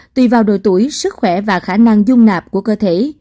tùy vào độ tuổi sức khỏe và khả năng dung nạp của cơ thể